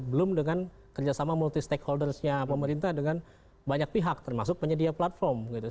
belum dengan kerjasama multi stakeholders nya pemerintah dengan banyak pihak termasuk penyedia platform gitu